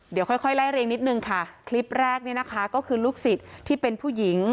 เดี๋ยวค่อยค่อยไล่เรียงนิดนึงค่ะคลิปแรกเนี่ยนะคะก็คือลูกศิษย์ที่เป็นผู้หญิง